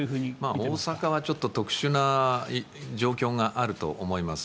大阪は少し特殊な状況があると思います。